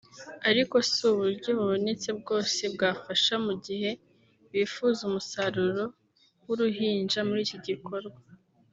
ariko si uburyo bubonetse bwose bwafasha mu gihe bifuza umusaruro w’uruhinja muri iki gikorwa […]